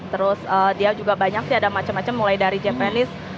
terus dia juga banyak sih ada macam macam mulai dari japanese